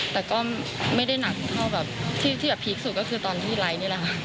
แต่ก็ไม่ได้หนักเท่าแบบที่แบบพีคสุดก็คือตอนที่ไลค์นี่แหละค่ะ